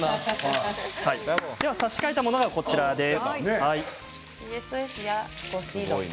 差し替えたものがこちらです。